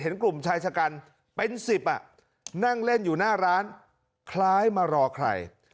เห็นกลุ่มชายชะกันเป็น๑๐นั่งเล่นอยู่หน้าร้านคล้ายมารอใคร